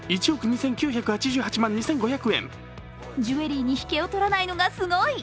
ジュエリーに引けを取らないのがすごい。